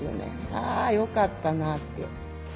あよかったなって。